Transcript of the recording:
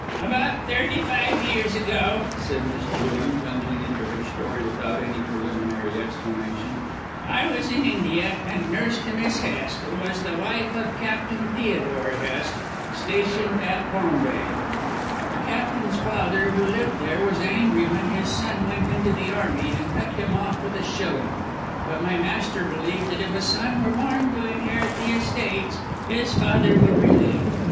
"About thirty five years ago," said Miss Jewin, plunging into her story without any preliminary explanation, "I was in India and nurse to Mrs. Hest, who was the wife of Captain Theodore Hest, stationed at Bombay. The Captain's father, who lived here, was angry when his son went into the Army, and cut him off with a shilling, but my master believed that if a son were born to inherit the estates his father would relent.